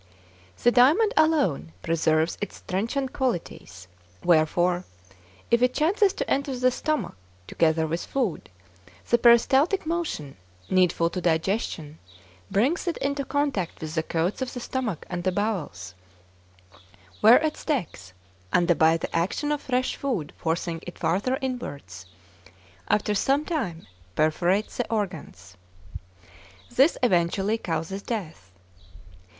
The diamond alone preserves its trenchant qualities; wherefore, if it chances to enter the stomach together with food, the peristaltic motion needful to digestion brings it into contact with the coats of the stomach and the bowels, where it sticks, and by the action of fresh food forcing it farther inwards, after some time perforates the organs. This eventually causes death.